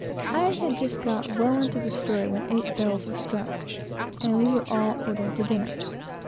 I had just got well into the story, when eight bells were struck, and we were all ordered to dinner.